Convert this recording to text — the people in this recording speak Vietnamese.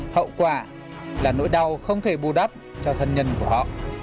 hậu quả là nỗi đau không thể bù đắp cho thân nhân của họ